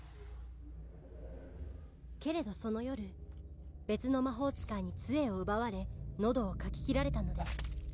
「けれどその夜別の魔法使いに杖を奪われ」「喉をかき切られたのです」